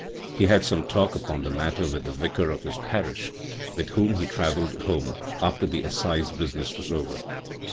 He had some talk upon the matter with the Vicar of his parish; with whom he travelled home after the assize business was over.